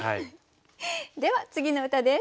では次の歌です。